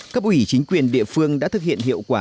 cấp ủy chính quyền địa phương đã thực hiện hiệu quả